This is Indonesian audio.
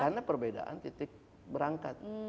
karena perbedaan titik berangkat